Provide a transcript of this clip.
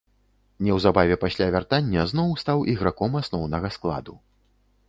Неўзабаве пасля вяртання зноў стаў іграком асноўнага складу.